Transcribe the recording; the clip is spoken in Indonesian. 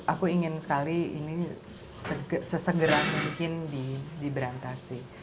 aku ingin sekali ini sesegera mungkin diberantasi